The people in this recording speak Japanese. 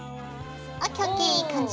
ＯＫＯＫいい感じ。